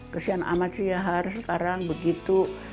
kesian amat si yahar sekarang begitu